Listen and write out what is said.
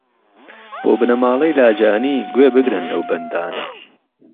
بۆ بنەماڵەی لاجانی گوێ بگرن لەو بەندانە